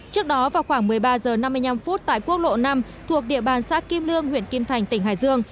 trước đó vào khoảng một mươi ba h năm mươi năm phút tại quốc lộ năm thuộc địa bàn xã kim lương huyện kim thành tỉnh hải dương